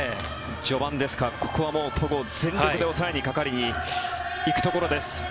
序盤ですが、ここは戸郷全力で抑えにかかりに行くところです。